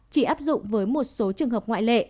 chỉ áp dụng với một số trường hợp ngoại lệ